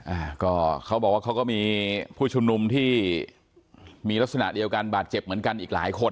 อ่าก็เขาบอกว่าเขาก็มีผู้ชุมนุมที่มีลักษณะเดียวกันบาดเจ็บเหมือนกันอีกหลายคน